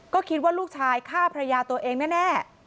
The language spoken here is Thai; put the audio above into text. ก็คิดว่าลูกชายฆ่าภรรยาตัวเองแน่